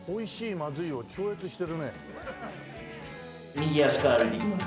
右足から歩いていきます。